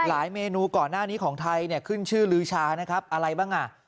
เมนูก่อนหน้านี้ของไทยเนี่ยขึ้นชื่อลือชานะครับอะไรบ้างอ่ะ